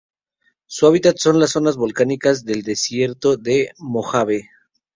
Su hábitat son las zonas volcánicas del desierto de Mojave.